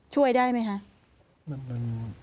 ช่วยได้ไหมคะ